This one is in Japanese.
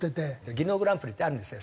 技能グランプリってあるんですよ